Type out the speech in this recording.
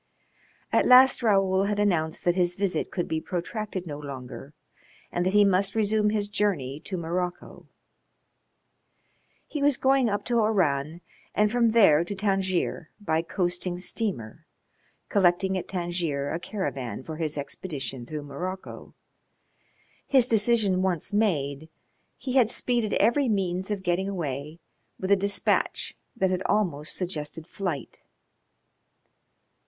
At last Raoul had announced that his visit could be protracted no longer and that he must resume his journey to Morocco. He was going up to Oran and from there to Tangier by coasting steamer, collecting at Tangier a caravan for his expedition through Morocco. His decision once made he had speeded every means of getting away with a despatch that had almost suggested flight.